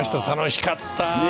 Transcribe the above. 楽しかった。